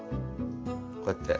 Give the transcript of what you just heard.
こうやって。